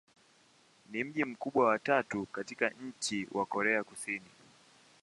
Ni mji mkubwa wa tatu katika nchi wa Korea Kusini.